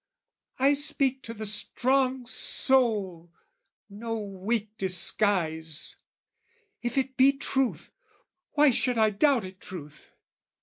"I speak to the strong soul, no weak disguise. "If it be truth, why should I doubt it truth?